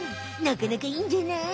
なかなかいいんじゃない？